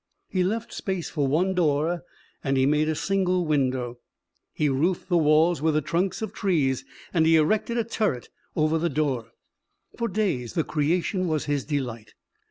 He left space for one door and he made a single window. He roofed the walls with the trunks of trees and he erected a turret over the door. For days the creation was his delight.